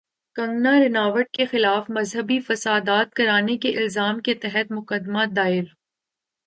کنگنا رناوٹ کے خلاف مذہبی فسادات کرانے کے الزام کے تحت مقدمہ دائر